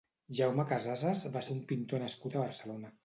Jaume Casases va ser un pintor nascut a Barcelona.